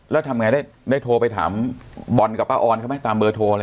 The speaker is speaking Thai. แล้วทำไงได้โทรไปถามบอลกับป้าออนเขาไหมตามเบอร์โทรอะไร